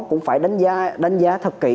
cũng phải đánh giá thật kỹ